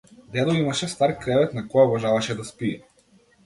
Дедо имаше стар кревет на кој обожаваше да спие.